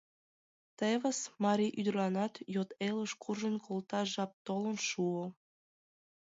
Тевыс, марий ӱдырланат йот элыш куржын колташ жап толын шуо.